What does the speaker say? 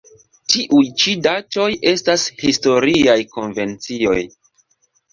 Tiuj ĉi datoj estas historiaj konvencioj.